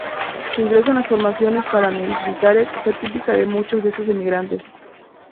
Su ingreso en las formaciones paramilitares fue típica de muchos de estos emigrantes.